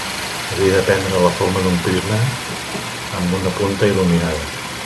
Havia de prendre la forma d'un prisma amb una punta il·luminada.